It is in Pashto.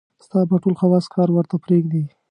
ستا به ټول حواص کار ورته پرېږدي.